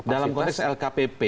dalam konteks lkpp